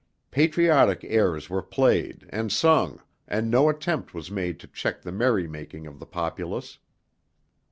Patriotic airs were played and sung and no attempt was made to check the merry making of the populace.